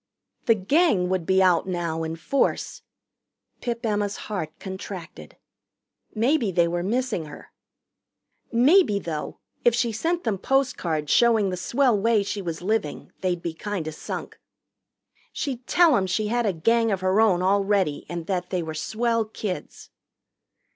The Gang would be out now in force. Pip Emma's heart contracted. Maybe they were missing her. Maybe, though, if she sent them post cards showing the swell way she was living, they'd be kinda sunk. She'd tell 'em she had a Gang of her own already and that they were swell kids.